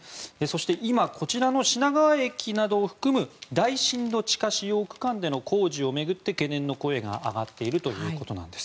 今、こちらの品川駅などを含む大深度地下使用区間での工事を巡って懸念の声が上がっているということです。